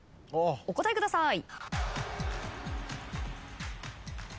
お答えください。